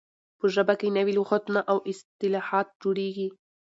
په ژبه کښي نوي لغاتونه او اصطلاحات جوړیږي.